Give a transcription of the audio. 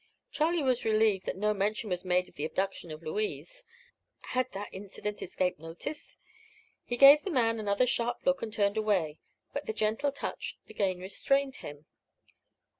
Charlie was relieved that no mention was made of the abduction of Louise. Had that incident escaped notice? He gave the man another sharp look and turned away; but the gentle touch again restrained him.